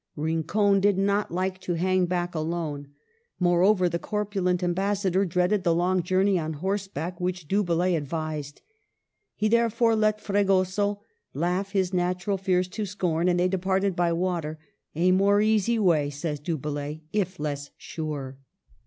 Rincon did not like to hang back alone ; moreover, the corpulent ambas sador dreaded the long journey on horseback which Du Bellay advised. He therefore let Fregoso laugh his natural fears to scorn, and they departed by water, —*' a more easy way," says Du Bellay, ^' if less sure."